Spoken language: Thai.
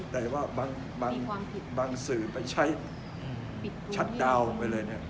แต่ว่าบางสื่อไปใช้ชัดดาวน์ลงไปเลยเนี่ย